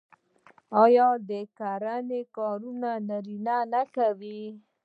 آیا د کرنې کارونه نارینه نه کوي؟